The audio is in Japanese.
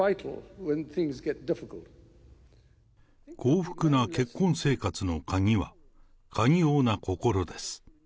幸福な結婚生活の鍵は、寛容な心です。